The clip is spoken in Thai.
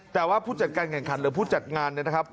แต่ว่าผู้จัดการแข่งขันหรือผู้จัดงานเนี่ยนะครับ